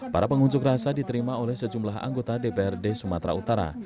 para pengunjuk rasa diterima oleh sejumlah anggota dprd sumatera utara